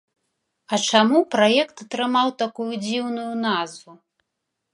А чаму праект атрымаў такую дзіўную назву?